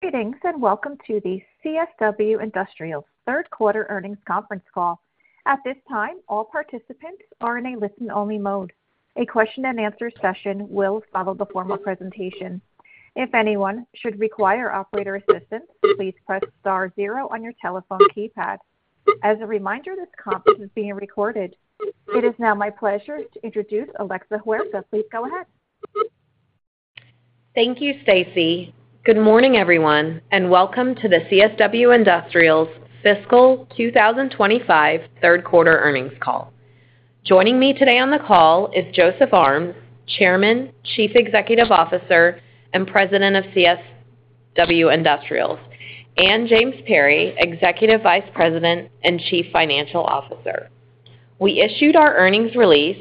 Greetings and welcome to the CSW Industrials' Q3 earnings conference call. At this time, all participants are in a listen-only mode. A question-and-answer session will follow the formal presentation. If anyone should require operator assistance, please press star zero on your telephone keypad. As a reminder, this conference is being recorded. It is now my pleasure to introduce Alexa Huerta. Please go ahead. Thank you, Stacey. Good morning, everyone, and welcome to the CSW Industrials' fiscal 2025 Q3 earnings call. Joining me today on the call is Joseph Armes, Chairman, Chief Executive Officer, and President of CSW Industrials, and James Perry, Executive Vice President and Chief Financial Officer. We issued our earnings release,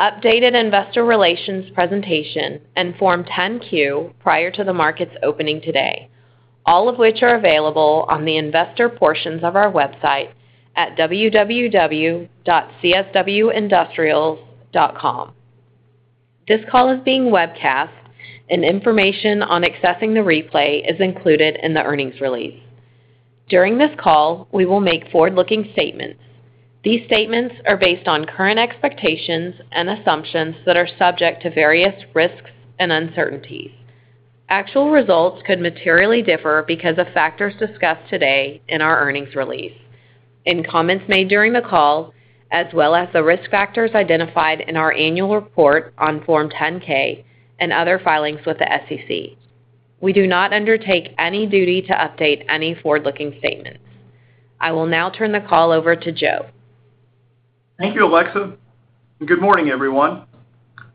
updated Investor Relations presentation, and Form 10-Q prior to the market's opening today, all of which are available on the investor portions of our website at www.cswindustrials.com. This call is being webcast, and information on accessing the replay is included in the earnings release. During this call, we will make forward-looking statements. These statements are based on current expectations and assumptions that are subject to various risks and uncertainties. Actual results could materially differ because of factors discussed today in our earnings release, in comments made during the call, as well as the risk factors identified in our annual report on Form 10-K and other filings with the SEC. We do not undertake any duty to update any forward-looking statements. I will now turn the call over to Joe. Thank you, Alexa, and good morning, everyone.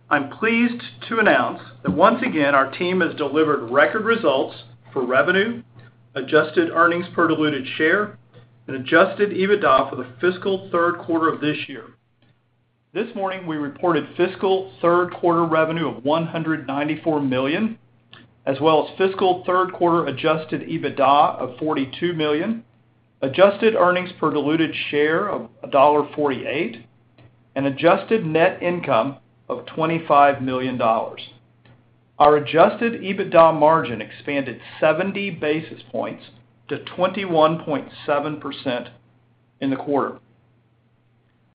I'm pleased to announce that once again, our team has delivered record results for revenue, adjusted earnings per diluted share, and adjusted EBITDA for the fiscal Q3 of this year. This morning, we reported fiscal Q3 revenue of $194 million, as well as fiscal Q3 adjusted EBITDA of $42 million, adjusted earnings per diluted share of $1.48, and adjusted net income of $25 million. Our adjusted EBITDA margin expanded 70 basis points to 21.7% in the quarter.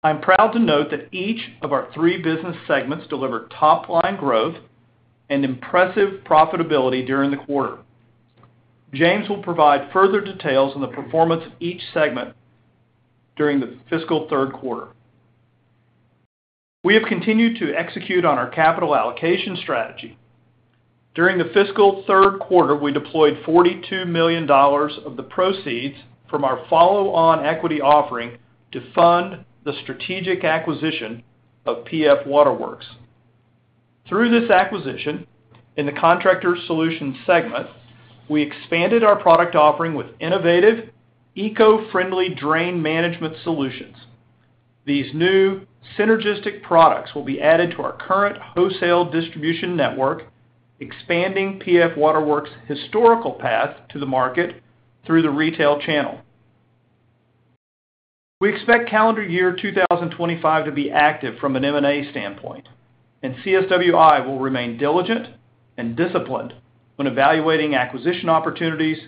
I'm proud to note that each of our three business segments delivered top-line growth and impressive profitability during the quarter. James will provide further details on the performance of each segment during the fiscal Q3. We have continued to execute on our capital allocation strategy. During the fiscal Q3, we deployed $42 million of the proceeds from our follow-on equity offering to fund the strategic acquisition of PF WaterWorks. Through this acquisition in the Contractor Solutions segment, we expanded our product offering with innovative, eco-friendly drain management solutions. These new synergistic products will be added to our current wholesale distribution network, expanding PF WaterWorks' historical path to the market through the retail channel. We expect calendar year 2025 to be active from an M&A standpoint, and CSWI will remain diligent and disciplined when evaluating acquisition opportunities,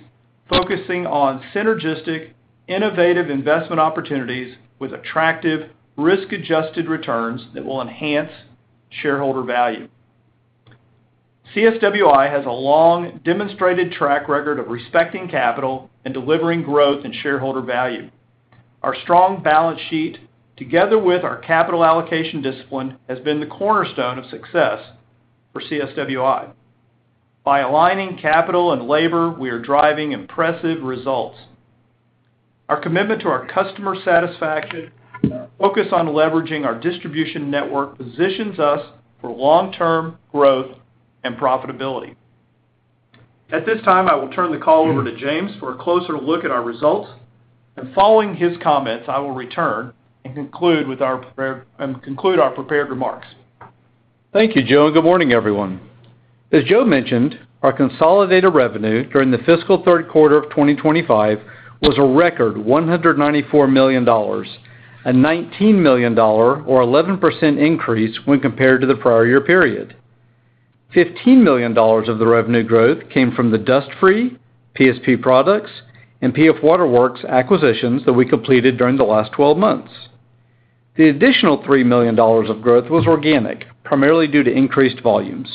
focusing on synergistic, innovative investment opportunities with attractive, risk-adjusted returns that will enhance shareholder value. CSWI has a long demonstrated track record of respecting capital and delivering growth and shareholder value. Our strong balance sheet, together with our capital allocation discipline, has been the cornerstone of success for CSWI. By aligning capital and labor, we are driving impressive results. Our commitment to our customer satisfaction and our focus on leveraging our distribution network positions us for long-term growth and profitability. At this time, I will turn the call over to James for a closer look at our results, and following his comments, I will return and conclude our prepared remarks. Thank you, Joe. Good morning, everyone. As Joe mentioned, our consolidated revenue during the fiscal Q3 of 2025 was a record $194 million, a $19 million, or 11% increase when compared to the prior year period. $15 million of the revenue growth came from the Dust Free, PSP Products, and PF WaterWorks acquisitions that we completed during the last 12 months. The additional $3 million of growth was organic, primarily due to increased volumes.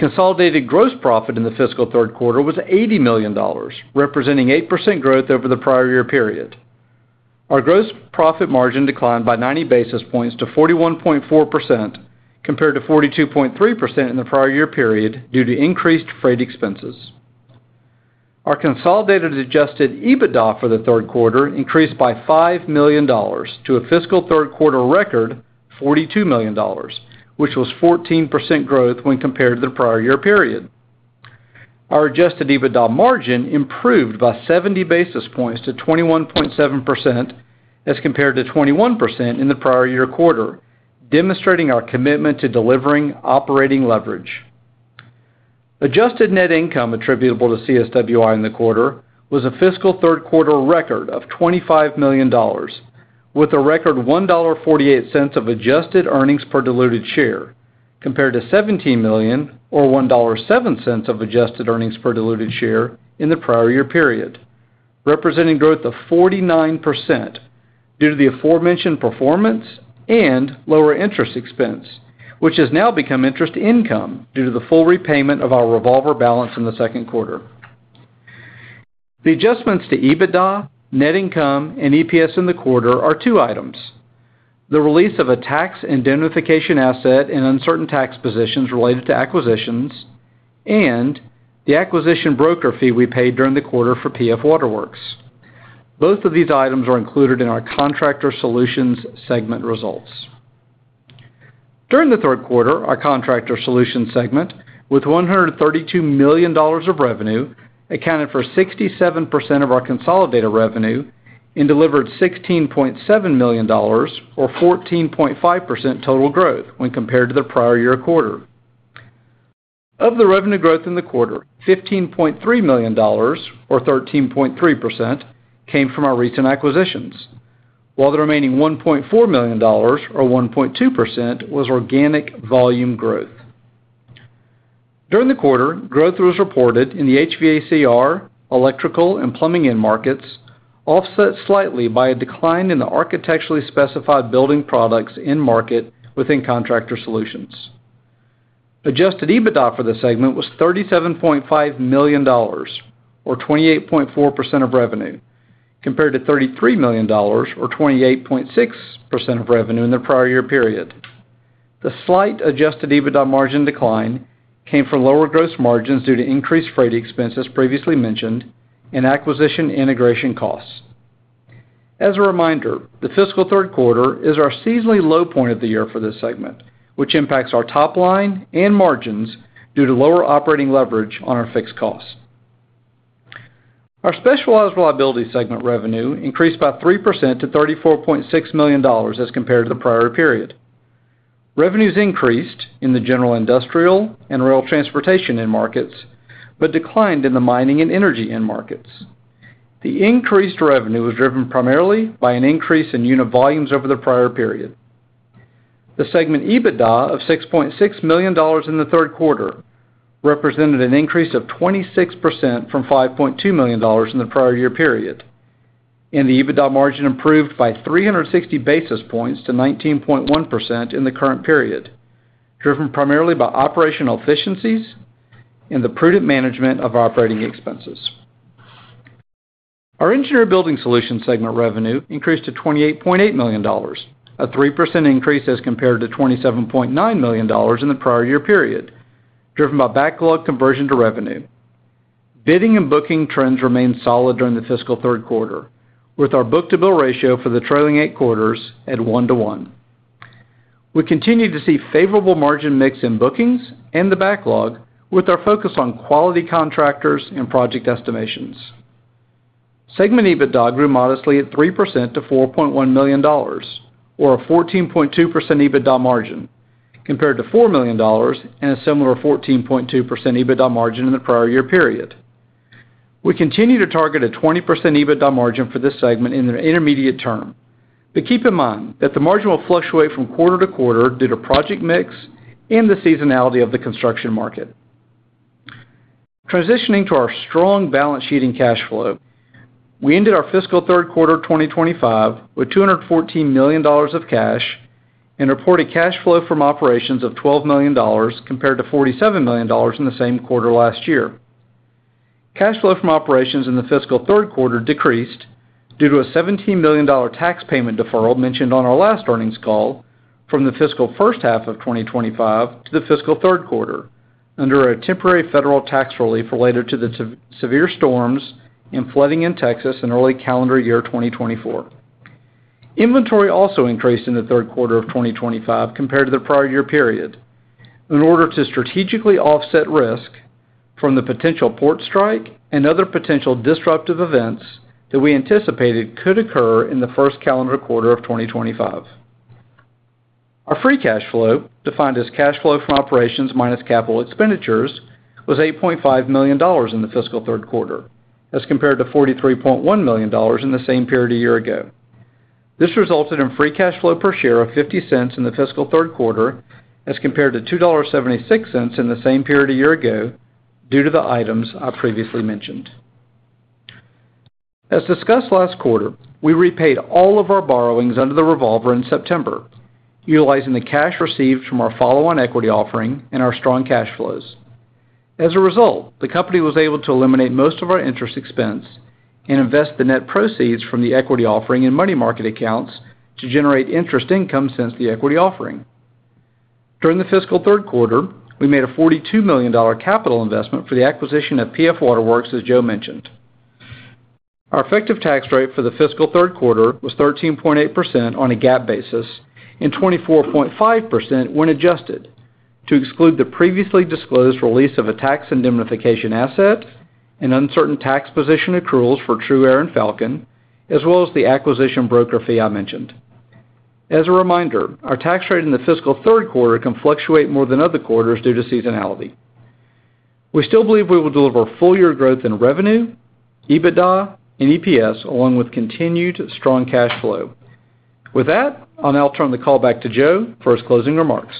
Consolidated gross profit in the fiscal Q3 was $80 million, representing 8% growth over the prior year period. Our gross profit margin declined by 90 basis points to 41.4% compared to 42.3% in the prior year period due to increased freight expenses. Our consolidated adjusted EBITDA for the Q3 increased by $5 million to a fiscal Q3 record $42 million, which was 14% growth when compared to the prior year period. Our adjusted EBITDA margin improved by 70 basis points to 21.7% as compared to 21% in the prior year quarter, demonstrating our commitment to delivering operating leverage. Adjusted net income attributable to CSWI in the quarter was a fiscal Q3 record of $25 million, with a record $1.48 of adjusted earnings per diluted share compared to $17 million, or $1.07 of adjusted earnings per diluted share in the prior year period, representing growth of 49% due to the aforementioned performance and lower interest expense, which has now become interest income due to the full repayment of our revolver balance in the Q2. The adjustments to EBITDA, net income, and EPS in the quarter are two items: the release of a tax indemnification asset and uncertain tax positions related to acquisitions, and the acquisition broker fee we paid during the quarter for PF WaterWorks. Both of these items are included in our Contractor Solutions segment results. During the Q3, our Contractor Solutions segment, with $132 million of revenue, accounted for 67% of our consolidated revenue and delivered $16.7 million, or 14.5% total growth when compared to the prior year quarter. Of the revenue growth in the quarter, $15.3 million, or 13.3%, came from our recent acquisitions, while the remaining $1.4 million, or 1.2%, was organic volume growth. During the quarter, growth was reported in the HVACR, electrical, and plumbing end markets, offset slightly by a decline in the architecturally specified building products end market within Contractor Solutions. Adjusted EBITDA for the segment was $37.5 million, or 28.4% of revenue, compared to $33 million, or 28.6% of revenue in the prior year period. The slight Adjusted EBITDA margin decline came from lower gross margins due to increased freight expenses previously mentioned and acquisition integration costs. As a reminder, the fiscal Q3 is our seasonally low point of the year for this segment, which impacts our top line and margins due to lower operating leverage on our fixed costs. Our Specialized Reliability segment revenue increased by 3% to $34.6 million as compared to the prior period. Revenues increased in the general industrial and rail transportation end markets but declined in the mining and energy end markets. The increased revenue was driven primarily by an increase in unit volumes over the prior period. The segment EBITDA of $6.6 million in the Q3 represented an increase of 26% from $5.2 million in the prior year period, and the EBITDA margin improved by 360 basis points to 19.1% in the current period, driven primarily by operational efficiencies and the prudent management of operating expenses. Our Engineered Building Solutions segment revenue increased to $28.8 million, a 3% increase as compared to $27.9 million in the prior year period, driven by backlog conversion to revenue. Bidding and booking trends remained solid during the fiscal Q3, with our book-to-bill ratio for the trailing 8 quarters at 1 :1. We continue to see favorable margin mix in bookings and the backlog, with our focus on quality contractors and project estimations. Segment EBITDA grew modestly at 3% to $4.1 million, or a 14.2% EBITDA margin, compared to $4 million and a similar 14.2% EBITDA margin in the prior year period. We continue to target a 20% EBITDA margin for this segment in the intermediate term, but keep in mind that the margin will fluctuate from quarter to quarter due to project mix and the seasonality of the construction market. Transitioning to our strong balance sheet and cash flow, we ended our fiscal Q3 2025 with $214 million of cash and reported cash flow from operations of $12 million compared to $47 million in the same quarter last year. Cash flow from operations in the fiscal Q3 decreased due to a $17 million tax payment deferral mentioned on our last earnings call from the fiscal first half of 2025 to the fiscal Q3 under a temporary federal tax relief related to the severe storms and flooding in Texas in early calendar year 2024. Inventory also increased in the Q3 of 2025 compared to the prior year period in order to strategically offset risk from the potential port strike and other potential disruptive events that we anticipated could occur in the 1st calendar quarter of 2025. Our free cash flow, defined as cash flow from operations minus capital expenditures, was $8.5 million in the fiscal Q3 as compared to $43.1 million in the same period a year ago. This resulted in free cash flow per share of $0.50 in the fiscal Q3 as compared to $2.76 in the same period a year ago due to the items I previously mentioned. As discussed last quarter, we repaid all of our borrowings under the revolver in September, utilizing the cash received from our follow-on equity offering and our strong cash flows. As a result, the company was able to eliminate most of our interest expense and invest the net proceeds from the equity offering in money market accounts to generate interest income since the equity offering. During the fiscal Q3, we made a $42 million capital investment for the acquisition of PF WaterWorks, as Joe mentioned. Our effective tax rate for the fiscal Q3 was 13.8% on a GAAP basis and 24.5% when adjusted to exclude the previously disclosed release of a tax indemnification asset and uncertain tax position accruals for TRUaire and Falcon, as well as the acquisition broker fee I mentioned. As a reminder, our tax rate in the fiscal Q3 can fluctuate more than other quarters due to seasonality. We still believe we will deliver full year growth in revenue, EBITDA, and EPS, along with continued strong cash flow. With that, I'll now turn the call back to Joe for his closing remarks.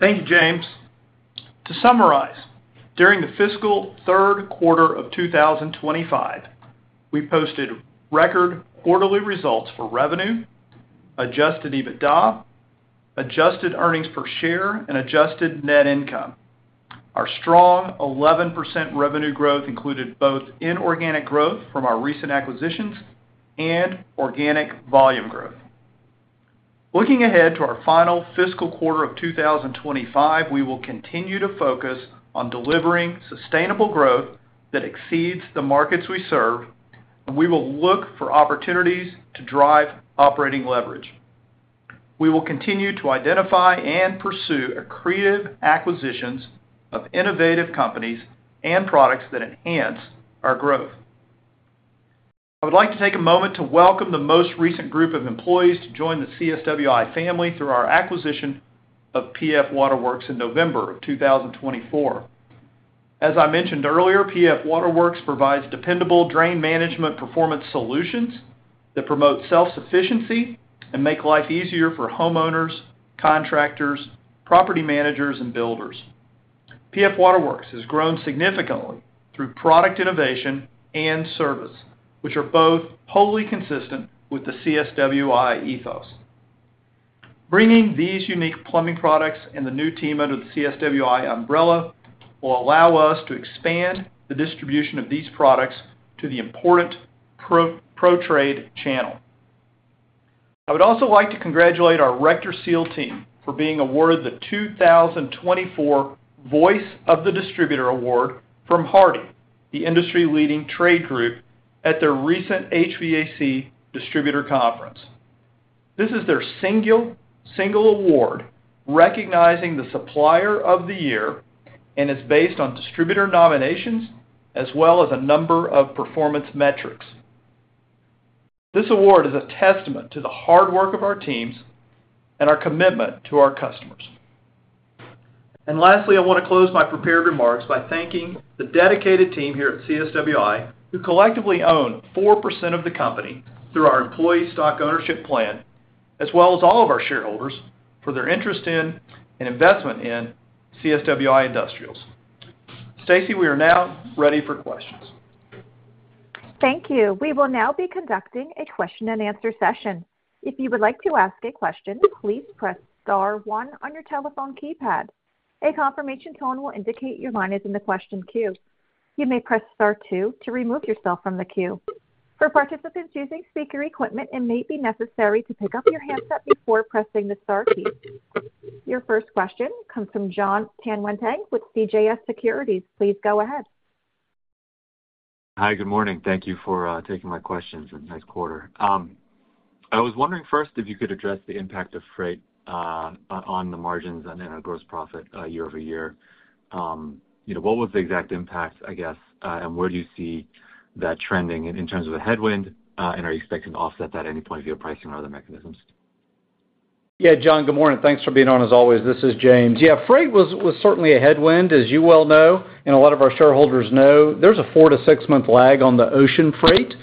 Thank you, James. To summarize, during the fiscal Q3 of 2025, we posted record quarterly results for revenue, adjusted EBITDA, adjusted earnings per share, and adjusted net income. Our strong 11% revenue growth included both inorganic growth from our recent acquisitions and organic volume growth. Looking ahead to our final fiscal quarter of 2025, we will continue to focus on delivering sustainable growth that exceeds the markets we serve, and we will look for opportunities to drive operating leverage. We will continue to identify and pursue accretive acquisitions of innovative companies and products that enhance our growth. I would like to take a moment to welcome the most recent group of employees to join the CSWI family through our acquisition of PF WaterWorks in November of 2024. As I mentioned earlier, PF WaterWorks provides dependable drain management performance solutions that promote self-sufficiency and make life easier for homeowners, contractors, property managers, and builders. PF WaterWorks has grown significantly through product innovation and service, which are both wholly consistent with the CSWI ethos. Bringing these unique plumbing products and the new team under the CSWI umbrella will allow us to expand the distribution of these products to the important pro-trade channel. I would also like to congratulate our RectorSeal team for being awarded the 2024 Voice of the Distributor Award from HARDI, the industry-leading trade group, at their recent HVAC Distributor Conference. This is their single award recognizing the Supplier of the Year and is based on distributor nominations as well as a number of performance metrics. This award is a testament to the hard work of our teams and our commitment to our customers. Lastly, I want to close my prepared remarks by thanking the dedicated team here at CSWI, who collectively own 4% of the company through our employee stock ownership plan, as well as all of our shareholders for their interest in and investment in CSW Industrials. Stacey, we are now ready for questions. Thank you. We will now be conducting a question-and-answer session. If you would like to ask a question, please press Star 1 on your telephone keypad. A confirmation tone will indicate your line is in the question queue. You may press Star 2 to remove yourself from the queue. For participants using speaker equipment, it may be necessary to pick up your handset before pressing the Star key. Your first question comes from Jon Tanwanteng with CJS Securities. Please go ahead. Hi, good morning. Thank you for taking my questions in the quarter. I was wondering first if you could address the impact of freight on the margins and gross profit year over year. What was the exact impact, I guess, and where do you see that trending in terms of a headwind, and are you expecting to offset that at any point via pricing or other mechanisms? Yeah, Jon, good morning. Thanks for being on as always. This is James. Yeah, freight was certainly a headwind, as you well know, and a lot of our shareholders know. There's a four- to six-month lag on the ocean freight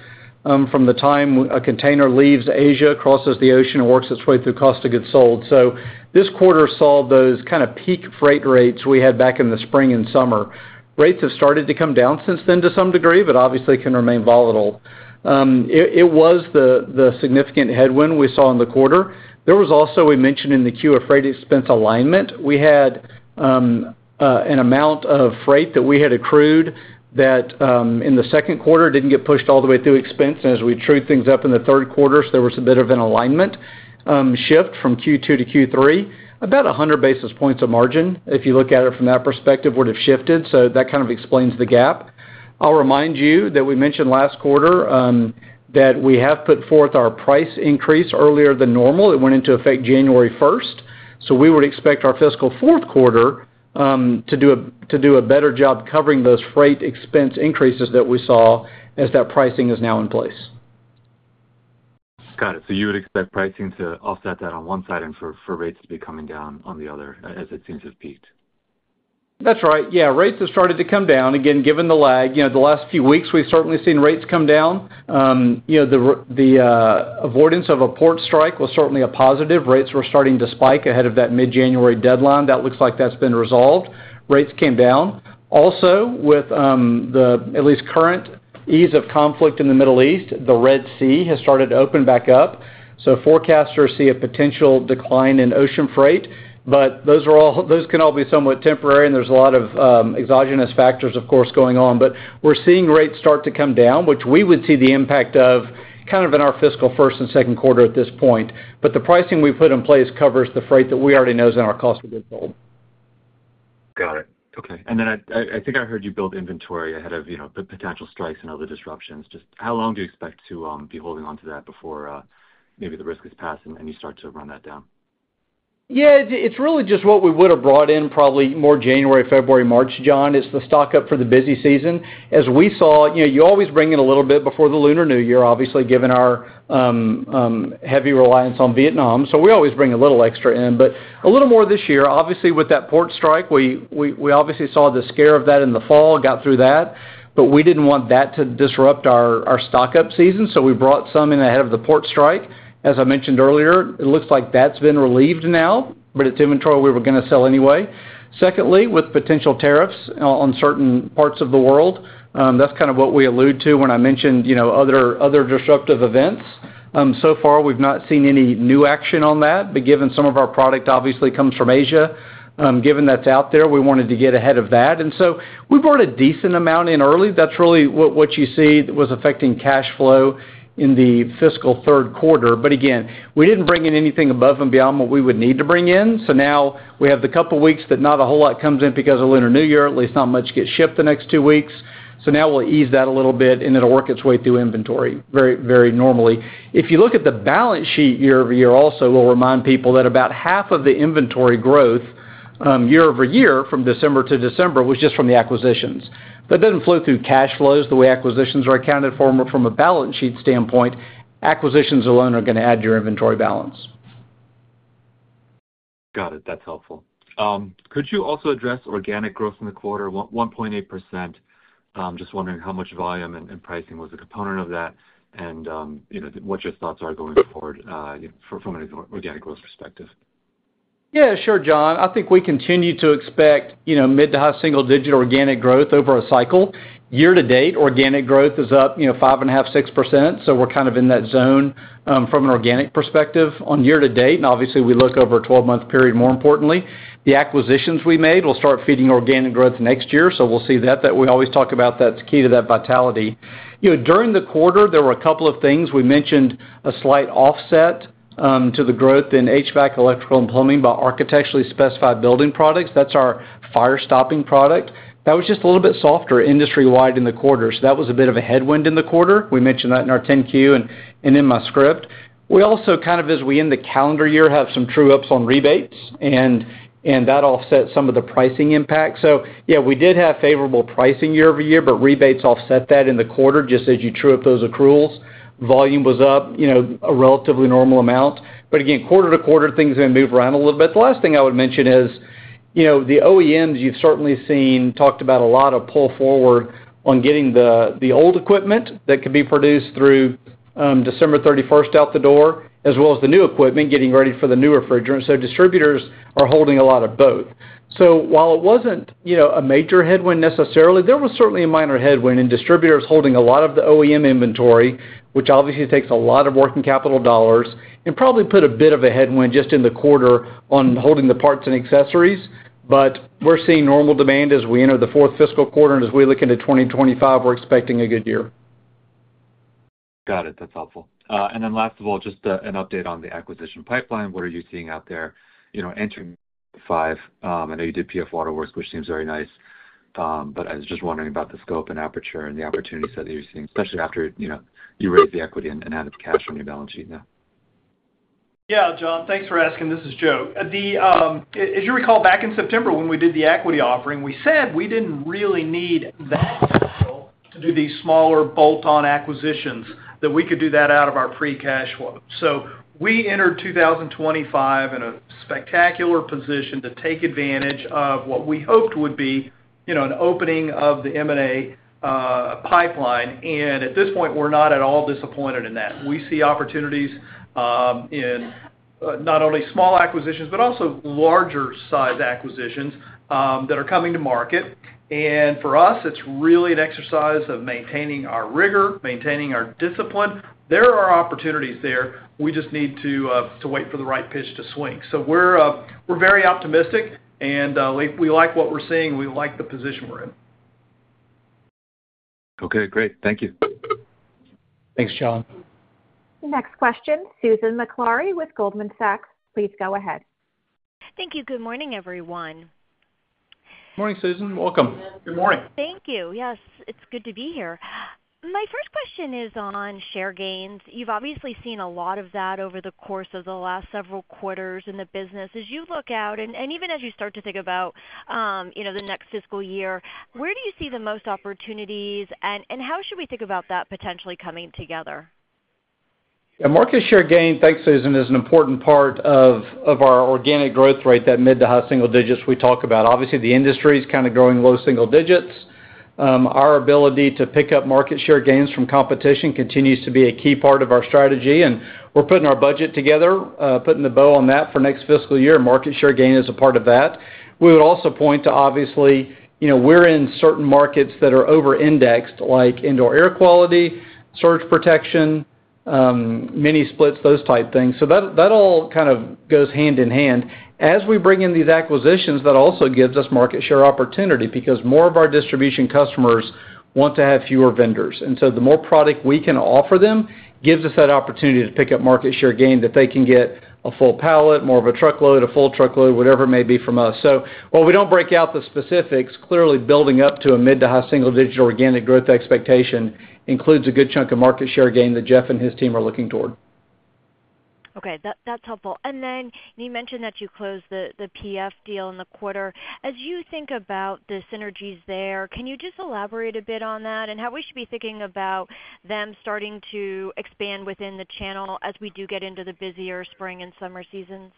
from the time a container leaves Asia, crosses the ocean, and works its way through customs. So this quarter saw those kind of peak freight rates we had back in the spring and summer. Rates have started to come down since then to some degree, but obviously can remain volatile. It was the significant headwind we saw in the quarter. There was also a mention in the Q of freight expense alignment. We had an amount of freight that we had accrued that in the Q2 didn't get pushed all the way through expense. As we trued things up in the Q3, there was a bit of an alignment shift from Q2 to Q3. About 100 basis points of margin, if you look at it from that perspective, would have shifted, so that kind of explains the gap. I'll remind you that we mentioned last quarter that we have put forth our price increase earlier than normal. It went into effect January 1st, so we would expect our fiscal Q3 to do a better job covering those freight expense increases that we saw as that pricing is now in place. Got it. So you would expect pricing to offset that on one side and for rates to be coming down on the other as it seems to have peaked? That's right. Yeah, rates have started to come down. Again, given the lag, the last few weeks, we've certainly seen rates come down. The avoidance of a port strike was certainly a positive. Rates were starting to spike ahead of that mid-January deadline. That looks like that's been resolved. Rates came down. Also, with the at least current ease of conflict in the Middle East, the Red Sea has started to open back up. So forecasters see a potential decline in ocean freight, but those can all be somewhat temporary, and there's a lot of exogenous factors, of course, going on. But we're seeing rates start to come down, which we would see the impact of kind of in our fiscal first and Q2 at this point. But the pricing we put in place covers the freight that we already know is in our cost of goods sold. Got it. Okay. And then I think I heard you build inventory ahead of potential strikes and other disruptions. Just how long do you expect to be holding on to that before maybe the risk is passed and you start to run that down? Yeah, it's really just what we would have brought in probably more January, February, March, Jon. It's the stock up for the busy season. As we saw, you always bring in a little bit before the Lunar New Year, obviously, given our heavy reliance on Vietnam. So we always bring a little extra in, but a little more this year. Obviously, with that port strike, we obviously saw the scare of that in the fall, got through that, but we didn't want that to disrupt our stock up season. So we brought some in ahead of the port strike. As I mentioned earlier, it looks like that's been relieved now, but it's inventory we were going to sell anyway. Secondly, with potential tariffs on certain parts of the world, that's kind of what we allude to when I mentioned other disruptive events. So far, we've not seen any new action on that, but given some of our product obviously comes from Asia, given that's out there, we wanted to get ahead of that. And so we brought a decent amount in early. That's really what you see was affecting cash flow in the fiscal Q3. But again, we didn't bring in anything above and beyond what we would need to bring in. So now we have the couple of weeks that not a whole lot comes in because of Lunar New Year, at least not much gets shipped the next two weeks. So now we'll ease that a little bit, and it'll work its way through inventory very normally. If you look at the balance sheet year over year, also, we'll remind people that about half of the inventory growth year over year from December to December was just from the acquisitions. That doesn't flow through cash flows the way acquisitions are accounted for, but from a balance sheet standpoint, acquisitions alone are going to add your inventory balance. Got it. That's helpful. Could you also address organic growth in the quarter, 1.8%? Just wondering how much volume and pricing was a component of that and what your thoughts are going forward from an organic growth perspective. Yeah, sure, Jon. I think we continue to expect mid- to high single-digit organic growth over a cycle. Year to date, organic growth is up 5.5%, 6%. So we're kind of in that zone from an organic perspective on year to date. And obviously, we look over a 12-month period, more importantly. The acquisitions we made will start feeding organic growth next year. So we'll see that. That we always talk about, that's key to that vitality. During the quarter, there were a couple of things. We mentioned a slight offset to the growth in HVAC, electrical, and plumbing by architecturally specified building products. That's our fire-stopping product. That was just a little bit softer industry-wide in the quarter. So that was a bit of a headwind in the quarter. We mentioned that in our 10-Q and in my script. We also kind of, as we end the calendar year, have some true-ups on rebates, and that offsets some of the pricing impact. So yeah, we did have favorable pricing year over year, but rebates offset that in the quarter just as you true up those accruals. Volume was up a relatively normal amount. But again, quarter to quarter, things may move around a little bit. The last thing I would mention is the OEMs you've certainly seen talked about a lot of pull forward on getting the old equipment that could be produced through December 31st out the door, as well as the new equipment getting ready for the new refrigerant. So distributors are holding a lot of both. So while it wasn't a major headwind necessarily, there was certainly a minor headwind in distributors holding a lot of the OEM inventory, which obviously takes a lot of working capital dollars and probably put a bit of a headwind just in the quarter on holding the parts and accessories. But we're seeing normal demand as we enter the fourth fiscal quarter. And as we look into 2025, we're expecting a good year. Got it. That's helpful. And then last of all, just an update on the acquisition pipeline. What are you seeing out there entering Q5? I know you did PF WaterWorks, which seems very nice, but I was just wondering about the scope and aperture and the opportunity set that you're seeing, especially after you raised the equity and added the cash on your balance sheet now. Yeah, Jon, thanks for asking. This is Joe. As you recall, back in September when we did the equity offering, we said we didn't really need that capital to do these smaller bolt-on acquisitions that we could do that out of our free cash flow. So we entered 2025 in a spectacular position to take advantage of what we hoped would be an opening of the M&A pipeline, and at this point, we're not at all disappointed in that. We see opportunities in not only small acquisitions, but also larger-sized acquisitions that are coming to market, and for us, it's really an exercise of maintaining our rigor, maintaining our discipline. There are opportunities there. We just need to wait for the right pitch to swing. So we're very optimistic, and we like what we're seeing. We like the position we're in. Okay, great. Thank you. Thanks, Jon. Next question, Susan Maklari with Goldman Sachs. Please go ahead. Thank you. Good morning, everyone. Morning, Susan. Welcome. Good morning. Thank you. Yes, it's good to be here. My first question is on share gains. You've obviously seen a lot of that over the course of the last several quarters in the business. As you look out, and even as you start to think about the next fiscal year, where do you see the most opportunities, and how should we think about that potentially coming together? Yeah, market share gain, thanks, Susan, is an important part of our organic growth rate, that mid- to high-single digits we talk about. Obviously, the industry is kind of growing low-single digits. Our ability to pick up market share gains from competition continues to be a key part of our strategy, and we're putting our budget together, putting the bow on that for next fiscal year. Market share gain is a part of that. We would also point to, obviously, we're in certain markets that are over-indexed, like indoor air quality, surge protection, mini splits, those type things. So that all kind of goes hand in hand. As we bring in these acquisitions, that also gives us market share opportunity because more of our distribution customers want to have fewer vendors. The more product we can offer them gives us that opportunity to pick up market share, gain that they can get a full pallet, more of a truckload, a full truckload, whatever it may be from us. While we don't break out the specifics, clearly building up to a mid- to high-single-digit organic growth expectation includes a good chunk of market share gain that Jeff and his team are looking toward. Okay, that's helpful. And then you mentioned that you closed the PF deal in the quarter. As you think about the synergies there, can you just elaborate a bit on that and how we should be thinking about them starting to expand within the channel as we do get into the busier spring and summer seasons?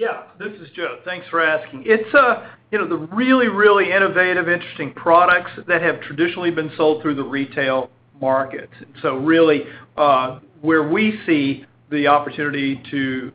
Yeah, this is Joe. Thanks for asking. It's the really, really innovative, interesting products that have traditionally been sold through the retail markets. And so really, where we see the opportunity to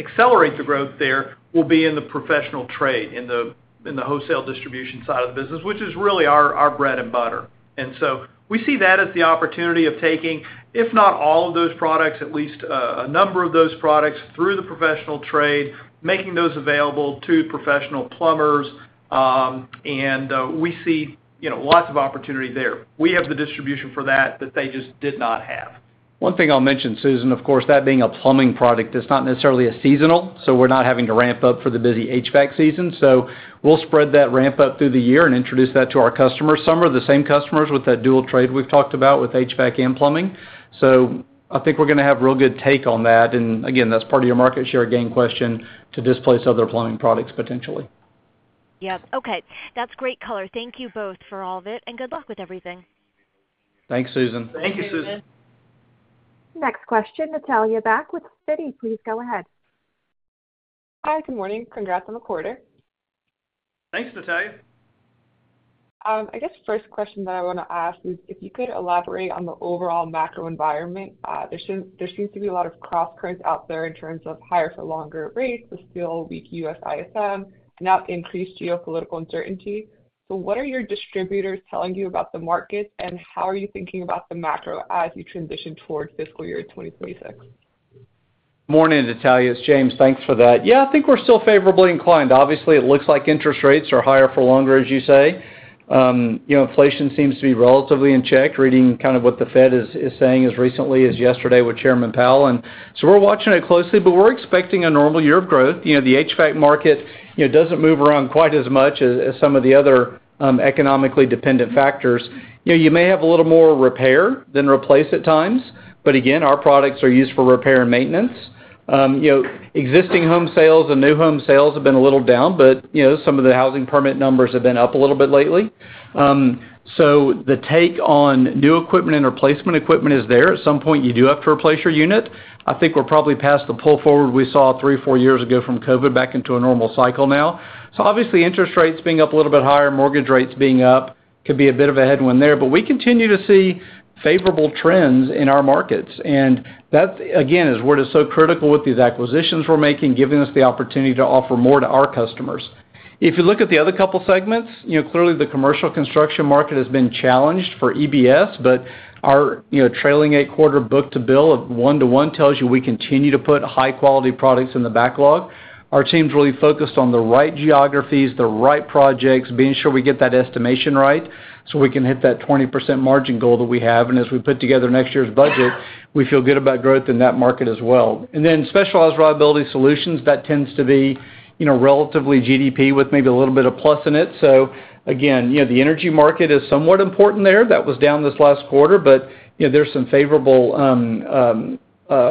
accelerate the growth there will be in the professional trade, in the wholesale distribution side of the business, which is really our bread and butter. And so we see that as the opportunity of taking, if not all of those products, at least a number of those products through the professional trade, making those available to professional plumbers. And we see lots of opportunity there. We have the distribution for that that they just did not have. One thing I'll mention, Susan, of course, that being a plumbing product, it's not necessarily a seasonal. So we're not having to ramp up for the busy HVAC season. So we'll spread that ramp up through the year and introduce that to our customers. Some are the same customers with that dual trade we've talked about with HVAC and plumbing. So I think we're going to have real good take on that. And again, that's part of your market share gain question to displace other plumbing products potentially. Yep. Okay. That's great color. Thank you both for all of it, and good luck with everything. Thanks, Susan. Thank you, Susan. Next question, Natalia Winkler with Citi. Please go ahead. Hi, good morning. Congrats on the quarter. Thanks, Natalia. I guess first question that I want to ask is if you could elaborate on the overall macro environment. There seems to be a lot of cross currents out there in terms of higher-for-longer rates, the still weak U.S. ISM, and now increased geopolitical uncertainty. So what are your distributors telling you about the markets, and how are you thinking about the macro as you transition towards FY 2026? Morning, Natalia. It's James. Thanks for that. Yeah, I think we're still favorably inclined. Obviously, it looks like interest rates are higher for longer, as you say. Inflation seems to be relatively in check, reading kind of what the Fed is saying as recently as yesterday with Chairman Powell, and so we're watching it closely, but we're expecting a normal year of growth. The HVAC market doesn't move around quite as much as some of the other economically dependent factors. You may have a little more repair than replace at times, but again, our products are used for repair and maintenance. Existing home sales and new home sales have been a little down, but some of the housing permit numbers have been up a little bit lately, so the take on new equipment and replacement equipment is there. At some point, you do have to replace your unit. I think we're probably past the pull forward we saw three, four years ago from COVID back into a normal cycle now. So obviously, interest rates being up a little bit higher, mortgage rates being up could be a bit of a headwind there. But we continue to see favorable trends in our markets. And that, again, is what is so critical with these acquisitions we're making, giving us the opportunity to offer more to our customers. If you look at the other couple of segments, clearly, the commercial construction market has been challenged for EBS, but our trailing 8 quarter book-to-bill of one-to-one tells you we continue to put high-quality products in the backlog. Our team's really focused on the right geographies, the right projects, being sure we get that estimation right so we can hit that 20% margin goal that we have. And as we put together next year's budget, we feel good about growth in that market as well. And then Specialized Reliability Solutions, that tends to be relatively GDP with maybe a little bit of plus in it. So again, the energy market is somewhat important there. That was down this last quarter, but there's some favorable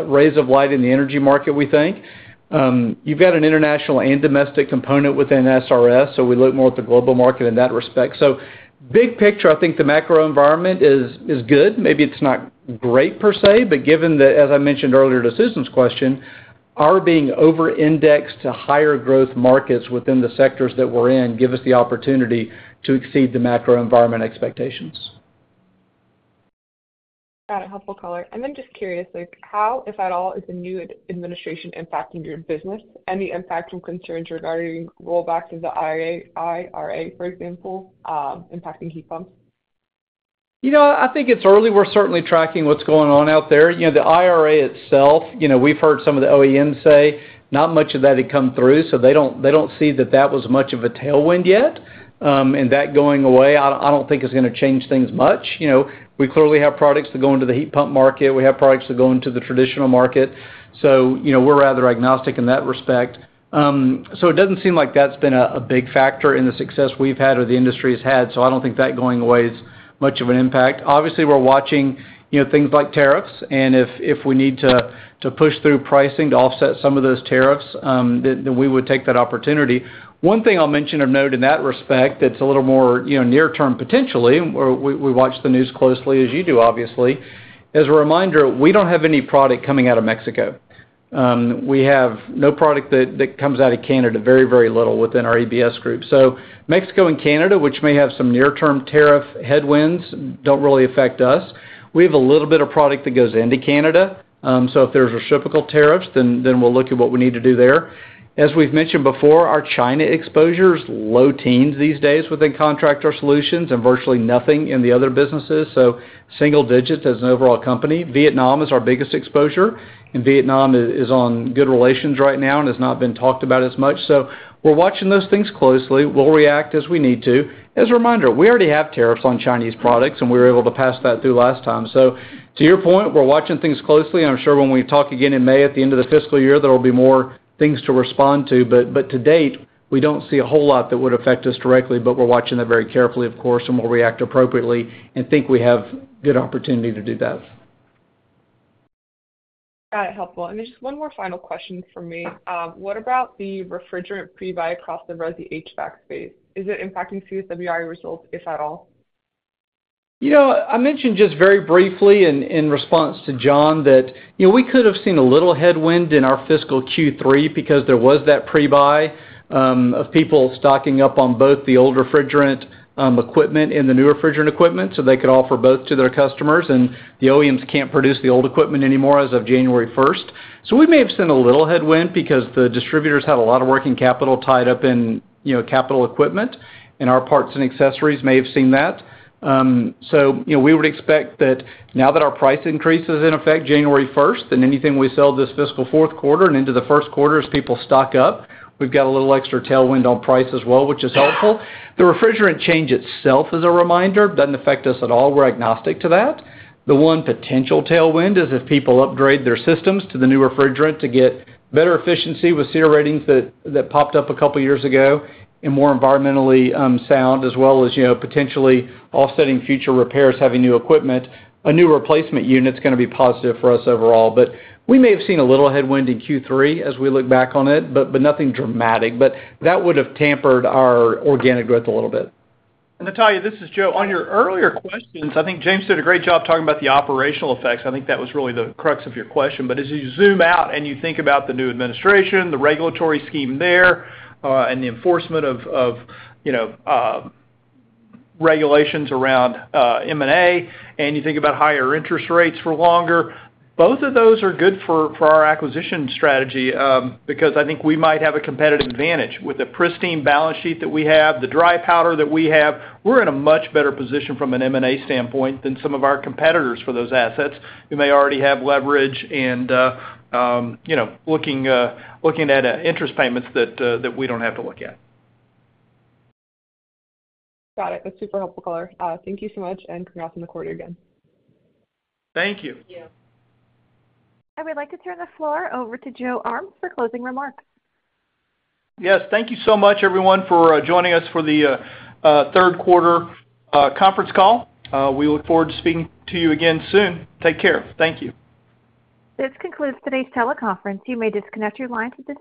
rays of light in the energy market, we think. You've got an international and domestic component within SRS, so we look more at the global market in that respect. So big picture, I think the macro environment is good. Maybe it's not great per se, but given that, as I mentioned earlier to Susan's question, our being over-indexed to higher growth markets within the sectors that we're in gives us the opportunity to exceed the macro environment expectations. Got it. Helpful color. And then just curious, how, if at all, is the new administration impacting your business and the impact and concerns regarding rollbacks of the IRA, for example, impacting heat pumps? I think it's early. We're certainly tracking what's going on out there. The IRA itself, we've heard some of the OEMs say not much of that had come through, so they don't see that that was much of a tailwind yet, and that going away, I don't think it's going to change things much. We clearly have products that go into the heat pump market. We have products that go into the traditional market, so we're rather agnostic in that respect, so it doesn't seem like that's been a big factor in the success we've had or the industry has had, so I don't think that going away is much of an impact. Obviously, we're watching things like tariffs, and if we need to push through pricing to offset some of those tariffs, then we would take that opportunity. One thing I'll mention of note in that respect that's a little more near-term potentially. We watch the news closely as you do, obviously. As a reminder, we don't have any product coming out of Mexico. We have no product that comes out of Canada, very, very little within our EBS group. So Mexico and Canada, which may have some near-term tariff headwinds, don't really affect us. We have a little bit of product that goes into Canada. So if there's reciprocal tariffs, then we'll look at what we need to do there. As we've mentioned before, our China exposure is low teens these days within Contractor Solutions and virtually nothing in the other businesses. So single digits as an overall company. Vietnam is our biggest exposure and Vietnam is on good relations right now and has not been talked about as much. So we're watching those things closely. We'll react as we need to. As a reminder, we already have tariffs on Chinese products, and we were able to pass that through last time. So to your point, we're watching things closely. I'm sure when we talk again in May at the end of the fiscal year, there will be more things to respond to. But to date, we don't see a whole lot that would affect us directly, but we're watching that very carefully, of course, and we'll react appropriately and think we have good opportunity to do that. Got it. Helpful. And then just one more final question for me. What about the refrigerant pre-buy across the resi HVAC space? Is it impacting CSWI results, if at all? I mentioned just very briefly in response to Jon that we could have seen a little headwind in our fiscal Q3 because there was that pre-buy of people stocking up on both the old refrigerant equipment and the new refrigerant equipment so they could offer both to their customers. And the OEMs can't produce the old equipment anymore as of January 1st. So we may have seen a little headwind because the distributors had a lot of working capital tied up in capital equipment, and our parts and accessories may have seen that. So we would expect that now that our price increase is in effect January 1st and anything we sell this fiscal Q4 and into the Q1 as people stock up, we've got a little extra tailwind on price as well, which is helpful. The refrigerant change itself, as a reminder, doesn't affect us at all. We're agnostic to that. The one potential tailwind is if people upgrade their systems to the new refrigerant to get better efficiency with SEER ratings that popped up a couple of years ago and more environmentally sound, as well as potentially offsetting future repairs, having new equipment. A new replacement unit's going to be positive for us overall. But we may have seen a little headwind in Q3 as we look back on it, but nothing dramatic. But that would have tempered our organic growth a little bit. And Natalia, this is Joe. On your earlier questions, I think James did a great job talking about the operational effects. I think that was really the crux of your question. But as you zoom out and you think about the new administration, the regulatory scheme there, and the enforcement of regulations around M&A, and you think about higher interest rates for longer, both of those are good for our acquisition strategy because I think we might have a competitive advantage with the pristine balance sheet that we have, the dry powder that we have. We're in a much better position from an M&A standpoint than some of our competitors for those assets. We may already have leverage and looking at interest payments that we don't have to look at. Got it. That's super helpful color. Thank you so much, and congrats on the quarter again. Thank you. Thank you. I would like to turn the floor over to Joe Armes for closing remarks. Yes. Thank you so much, everyone, for joining us for the Q3 conference call. We look forward to speaking to you again soon. Take care. Thank you. This concludes today's teleconference. You may disconnect your lines now.